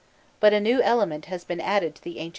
But a new element has been added to the ancient themes.